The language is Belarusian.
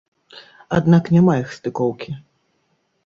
Аднак няма іх стыкоўкі.